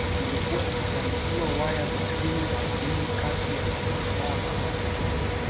Ilikuwa ikitandika waya za simu baharini kati ya Zanzibar na Aden